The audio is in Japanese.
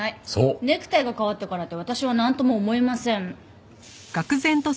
ネクタイが変わったからって私はなんとも思いません。